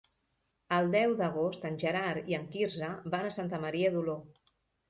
El deu d'agost en Gerard i en Quirze van a Santa Maria d'Oló.